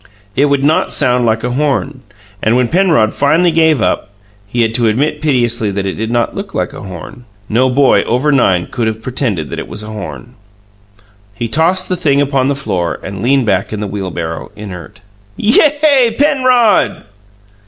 It would not sound like a horn, and, when Penrod finally gave up, he had to admit piteously that it did not look like a horn. No boy over nine could have pretended that it was a horn. He tossed the thing upon the floor, and leaned back in the wheelbarrow, inert. "Yay, Penrod!"